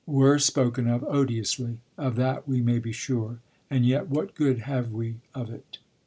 We're spoken of odiously of that we may be sure; and yet what good have we of it?"